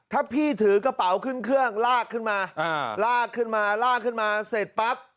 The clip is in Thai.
ถ้าพี่ถือกระเป๋าขึ้นเครื่องลากขึ้นมาลากขึ้นมาลากขึ้นมาเสร็จปั๊บ